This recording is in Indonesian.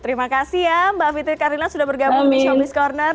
terima kasih ya mbak fitri karina sudah bergabung di showbiz corner